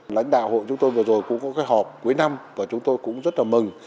lãnh đạo hội chúng tôi vừa rồi cũng có cái họp cuối năm và chúng tôi cũng rất là mừng